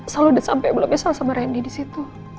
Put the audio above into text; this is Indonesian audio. salon udah sampai bulan besok sama randy disitu